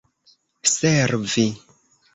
servi